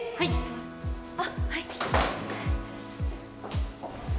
あっはい。